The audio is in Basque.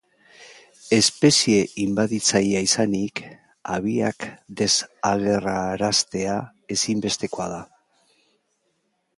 Espezie inbaditzailea izanik, habiak desagerraraztea ezinbestekoa da.